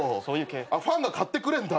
ファンが買ってくれんだ。